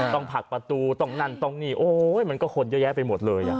ผลักประตูต้องนั่นต้องนี่โอ้ยมันก็คนเยอะแยะไปหมดเลย